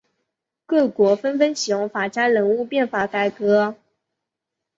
各国纷纷启用法家人物变法改革。